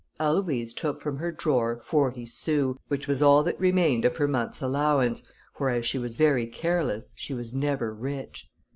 Aloïse took from her drawer forty sous, which was all that remained of her month's allowance, for as she was very careless, she was never rich.